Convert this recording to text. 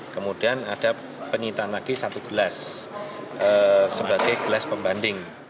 kemudian ada penyitaan lagi satu gelas sebagai gelas pembanding